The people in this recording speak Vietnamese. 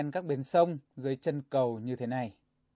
các bến sông dưới chân cầu như thế này